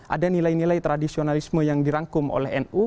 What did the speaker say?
ada nilai nilai tradisionalisme yang dirangkum oleh nu